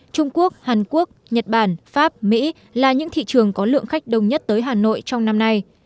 trung quốc hàn quốc nhật bản pháp mỹ là những thị trường có lượng khách đông nhất tới hà nội trong năm nay